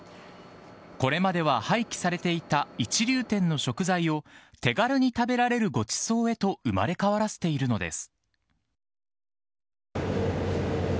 これまでは廃棄されていた一流店の食材を手軽に食べられるごちそうへと生まれ変わらせているのです。